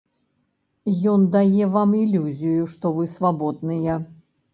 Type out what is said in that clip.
Ён дае вам ілюзію, што вы свабодныя.